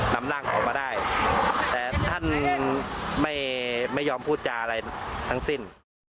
นำร่างออกมาได้แต่ท่านไม่ยอมพูดจาอะไรทั้งสิ้น